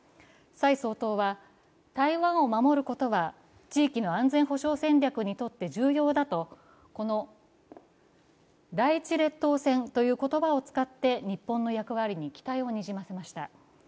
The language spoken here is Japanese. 蔡総統は台湾を守ることは地域の安全保障戦略にとって重要だと第１列島線という言葉を使って日本の役割に期待をにじませました。